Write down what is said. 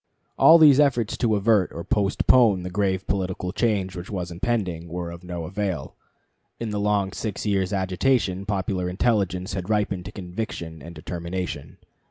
All these efforts to avert or postpone the grave political change which was impending were of no avail. In the long six years' agitation popular intelligence had ripened to conviction and determination.